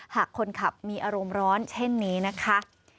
หากคนขับมีอารมณ์ร้อนเช่นนี้นะคะ